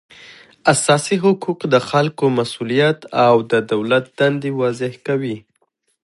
اساسي حقوق د خلکو مسولیت او د دولت دندې واضح کوي